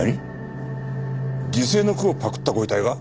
辞世の句をパクったご遺体が？